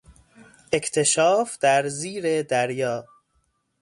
اکتشاف در زیر دریا